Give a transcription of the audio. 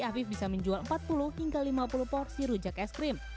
afif bisa menjual empat puluh hingga lima puluh porsi rujak es krim